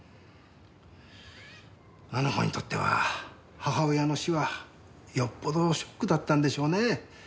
あの子にとっては母親の死はよっぽどショックだったんでしょうね。